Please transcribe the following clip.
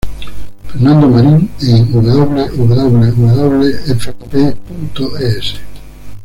Fernando Marín en www.lfp.es